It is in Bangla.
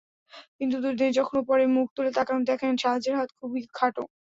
কিন্তু দুর্দিনে যখন ওপরে মুখ তুলে তাকান, দেখেন সাহায্যের হাত খুবই খাটো।